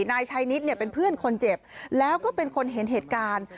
นายชัยนิดเนี่ยเป็นเพื่อนคนเจ็บแล้วก็เป็นคนเห็นเหตุการณ์